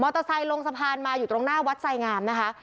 เตอร์ไซค์ลงสะพานมาอยู่ตรงหน้าวัดไสงามนะคะ